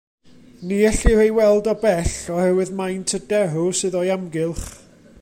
Ni ellir ei weld o bell, oherwydd maint y derw sydd o'i amgylch.